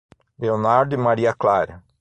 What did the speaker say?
Leonardo e Maria Clara